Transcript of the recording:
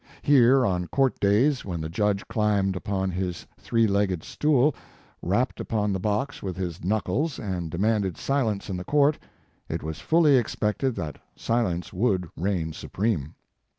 Here on court days when the judge climbed upon his three legged stool, rapped upon the box with his knuckles, and demanded silence in the court, it was fully expected that silence would reign supreme.